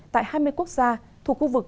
tại hai mươi quốc gia thuộc khu vực